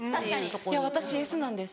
いや私Ｓなんです。